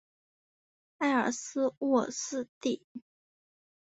埃尔斯沃思地。